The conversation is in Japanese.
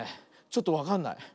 ちょっとわかんない。